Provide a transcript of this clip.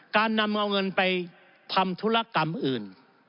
การนำเอาเงินไปทำธุรกรรมอื่น